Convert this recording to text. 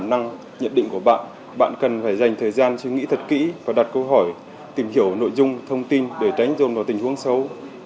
nhận định của bạn bạn cần phải dành thời gian suy nghĩ thật kỹ và đặt câu hỏi tìm hiểu nội dung thông tin để tránh dồn vào tình huống xấu